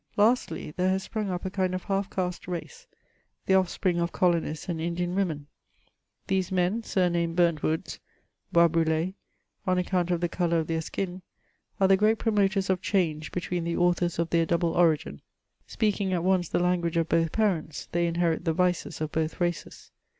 Lastly, there has sprung up a kind of half caste race, the off spring of colonists and Indian women. These men, sumamed bumtwoods (Bois hrules), on account of the colour of their skin, are the great promoters of change between the authors of their double ori^n. Speaking at once the language of both parents, they inherit the vices of both races.